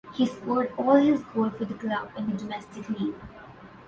He scored all his goals for the club in the domestic league.